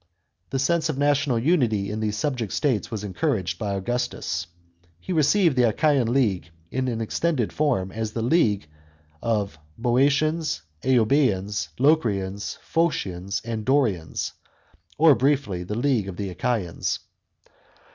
The sense of national unity in these subject states was encouraged by Augustus. He revived the Achaean league, in an extended form, as the league of " Boeotians, Euboeans, Locrians, Phocians, and Dorians," or briefly the league of the " Achasans."